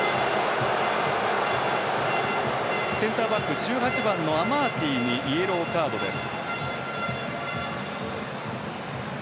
センターバック１８番のアマーティにイエローカードです。